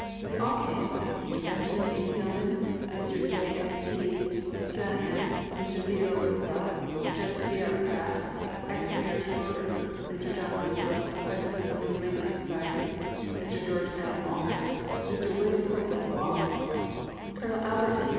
We all came Mr. Benjamin A. Stillman, Mr. J.S.T. Stranahan, Mr. Theodore Roosevelt, Judge C.R. Pratt, ex Mayor Schroeder, Mr. John Winslow, president of the New England Society, Mr. George M. Olcott, Mr. William Copeland Wallace, Colonel Albert P.